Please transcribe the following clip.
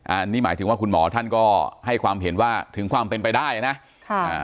อันนี้หมายถึงว่าคุณหมอท่านก็ให้ความเห็นว่าถึงความเป็นไปได้นะค่ะอ่า